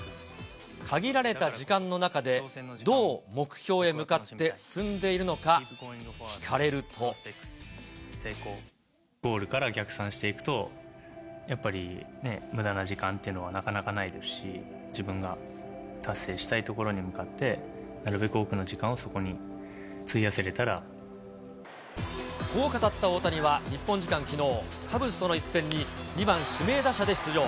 限られた時間の中で、どう目標へ向かって進んでいるのか、ゴールから逆算していくと、やっぱり、むだな時間っていうのはなかなかないですし、自分が達成したいところに向かって、なるべく多くの時間をそこにこう語った大谷は、日本時間きのう、カブスとの一戦に２番指名打者で出場。